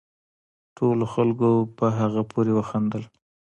ټولو خلقو په هغه پورې وخاندل